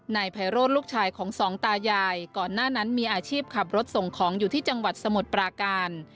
นายไพโรธลูกชายของสองตายายก่อนหน้านั้นมีอาชีพขับรถส่งของอยู่ที่จังหวัดสมุทรปราการ